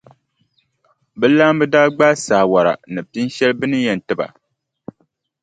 Bɛ laamba daa gbaai saawara ni pinʼ shɛli bɛ ni yɛn ti ba.